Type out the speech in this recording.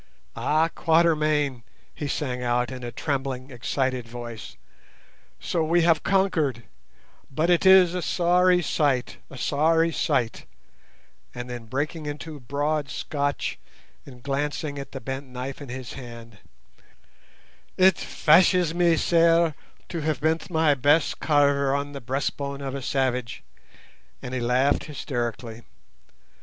"Ah, Quatermain!" he sang out in a trembling, excited voice, "so we have conquered; but it is a sorry sight, a sorry sight;" and then breaking into broad Scotch and glancing at the bent knife in his hand, "It fashes me sair to have bent my best carver on the breastbone of a savage," and he laughed hysterically.